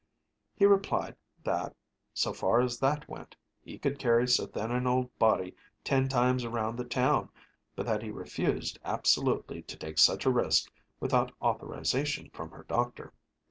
He replied that, so far as that went, he could carry so thin an old body ten times around the town, but that he refused absolutely to take such a risk without authorization from her doctor.